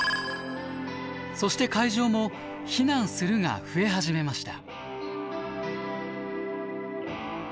そして会場も避難するが増え始めました。